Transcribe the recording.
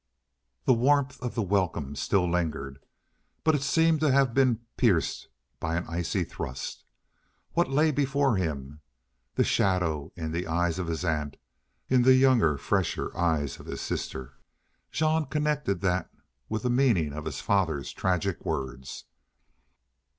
The warmth of the welcome still lingered, but it seemed to have been pierced by an icy thrust. What lay before him? The shadow in the eyes of his aunt, in the younger, fresher eyes of his sister Jean connected that with the meaning of his father's tragic words.